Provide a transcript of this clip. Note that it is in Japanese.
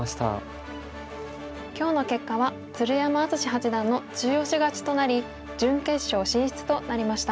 今日の結果は鶴山淳志八段の中押し勝ちとなり準決勝進出となりました。